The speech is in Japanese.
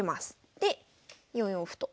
で４四歩と。